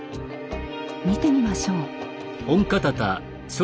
見てみましょう。